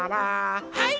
はい！